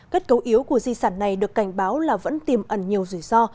kết cấu yếu của di sản này được cảnh báo là vẫn tiềm ẩn nhiều rủi ro